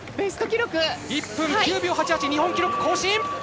１分９秒８８で日本記録更新！